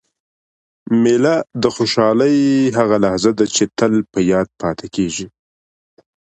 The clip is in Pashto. مېله د خوشحالۍ هغه لحظه ده، چي تل په یاد پاته کېږي.